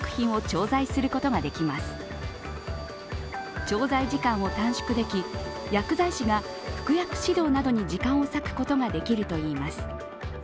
調剤時間を短縮でき、薬剤師が服薬指導などに時間を割くことができるといいます。